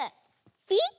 ピッ！